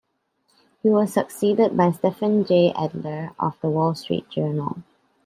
He was succeeded by Stephen J. Adler of "The Wall Street Journal".